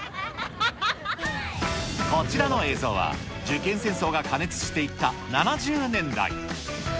こちらの映像は、受験戦争が過熱していった７０年代。